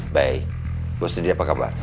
baik bos jadi apa kabar